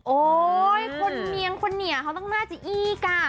โอ๊ยคนเหนียงคนเหนียะเขาต้องหน้าจะอี้ก่ะ